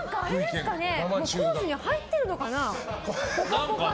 コースに入ってるのかな。